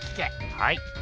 はい。